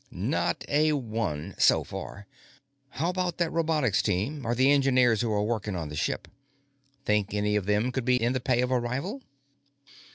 "Not a one, so far. How about that robotics team, or the engineers who are working on the ship? Think any of them could be in the pay of a rival?"